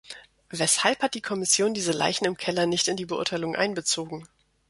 Weshalb hat die Kommission diese Leichen im Keller nicht in die Beurteilung einbezogen?